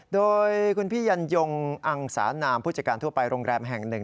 โดยคุณพี่ยันยงอังสานามผู้จัดการทั่วไปโรงแรมแห่งหนึ่ง